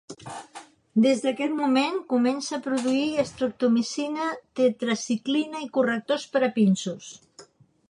Des d'aquest moment comença a produir estreptomicina, tetraciclina i correctors per a pinsos.